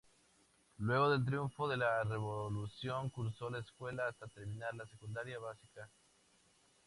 Luego del triunfo de la Revolución curso la escuela hasta terminar la secundaria básica.